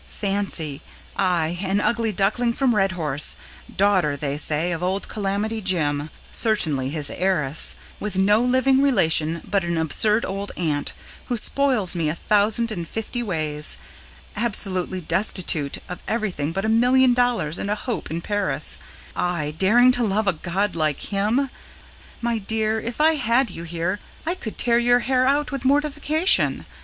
Fancy! I, an ugly duckling from Redhorse daughter (they say) of old Calamity Jim certainly his heiress, with no living relation but an absurd old aunt, who spoils me a thousand and fifty ways absolutely destitute of everything but a million dollars and a hope in Paris I daring to love a god like him! My dear, if I had you here, I could tear your hair out with mortification.